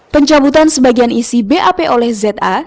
pencabutan sebagian isi bap oleh za